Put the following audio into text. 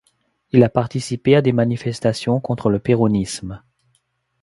Il a participé à des manifestations contre le péronisme.